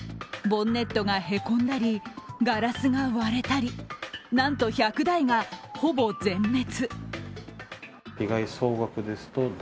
ボンネットがへこんだり、ガラスが割れたり、なんと１００台がほぼ全滅。